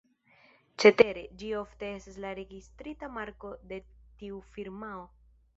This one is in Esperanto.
Cetere, ĝi ofte estas la registrita marko de tiu firmao.